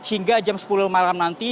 hingga jam sepuluh malam nanti